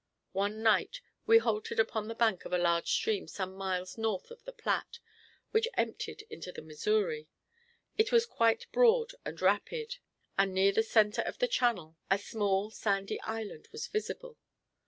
One night we halted upon the bank of a large stream some miles north of the Platte, which emptied into the Missouri. It was quite broad and rapid, and near the center of the channel a small, sandy island was visible.